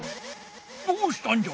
どうしたんじゃ？